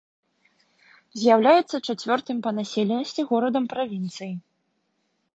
З'яўляецца чацвёртым па населенасці горадам правінцыі.